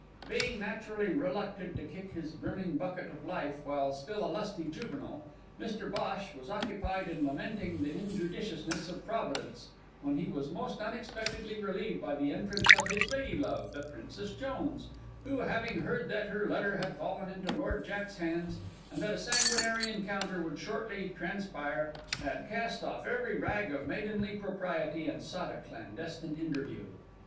Being naturally reluctant to kick his brimming bucket of life while still a lusty juvenile, Mr Bhosh was occupied in lamenting the injudiciousness of Providence when he was most unexpectedly relieved by the entrance of his lady love, the Princess Jones, who, having heard that her letter had fallen into Lord Jack's hands, and that a sanguinary encounter would shortly transpire, had cast off every rag of maidenly propriety, and sought a clandestine interview.